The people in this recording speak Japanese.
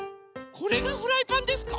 これがフライパンですか？